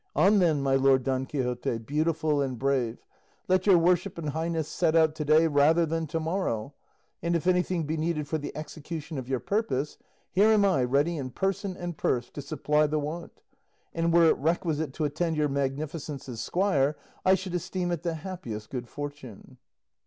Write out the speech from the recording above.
On, then, my lord Don Quixote, beautiful and brave, let your worship and highness set out to day rather than to morrow; and if anything be needed for the execution of your purpose, here am I ready in person and purse to supply the want; and were it requisite to attend your magnificence as squire, I should esteem it the happiest good fortune."